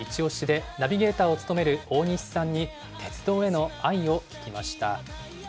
でナビゲーターを務める大西さんに鉄道への愛を聞きました。